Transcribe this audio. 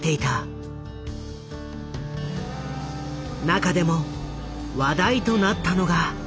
中でも話題となったのが。